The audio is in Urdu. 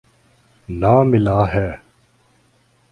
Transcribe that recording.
نہ ملاح ہے۔